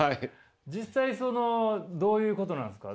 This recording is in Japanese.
実際そのどういうことなんですか？